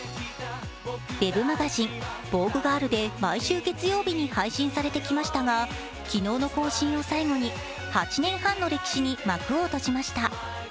Ｗｅｂマガジン「ＶＯＧＵＥＧＩＲＬ」で毎週月曜日に配信されてきましたが昨日の更新を最後に８年半の歴史に幕を閉じました。